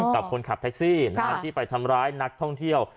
กับคนขับแท็กซี่ที่ไปทำร้ายนักท่องเที่ยว